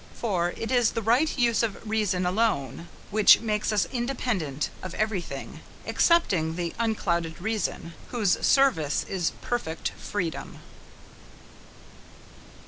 For it is the right use of reason alone which makes us independent of every thing excepting the unclouded Reason "Whose service is perfect freedom."